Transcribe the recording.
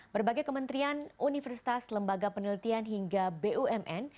berbagai kementerian universitas lembaga penelitian hingga bumn